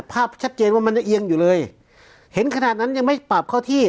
ภาพชัดเจนว่ามันจะเอียงอยู่เลยเห็นขนาดนั้นยังไม่ปรับเข้าที่